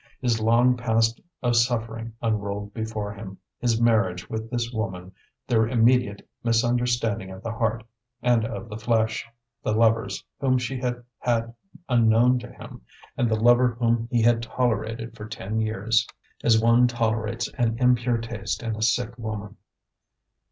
His long past of suffering unrolled before him: his marriage with this woman, their immediate misunderstanding of the heart and of the flesh, the lovers whom she had had unknown to him, and the lover whom he had tolerated for ten years, as one tolerates an impure taste in a sick woman.